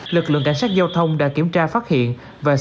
lực lượng cảnh sát giao thông đã kiểm tra và đảm bảo an ninh trực tự